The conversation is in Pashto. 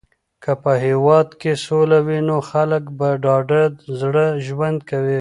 که په هېواد کې سوله وي نو خلک په ډاډه زړه ژوند کوي.